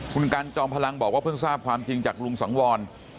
คุณกันจอมพลังบอกว่าเพิ่งทราบความจริงจากลุงสังวร